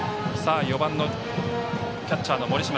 ４番のキャッチャーの盛島。